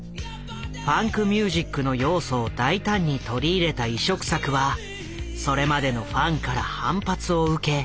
ファンクミュージックの要素を大胆に取り入れた異色作はそれまでのファンから反発を受け